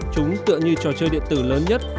chúng tựa như trò chơi điện tử lớn nhất